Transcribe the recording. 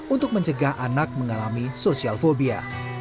untuk mencegah anak mengalami social phobia